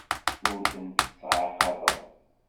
Ur tent-ttɛaqabeɣ.